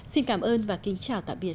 xin cảm ơn và kính chào tạm biệt